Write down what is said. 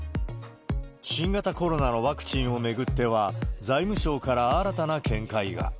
新型コロナのワクチンを巡っては、財務省から新たな見解が。